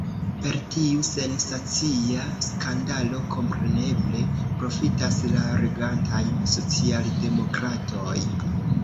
Per tiu sensacia skandalo kompreneble profitas la regantaj socialdemokratoj.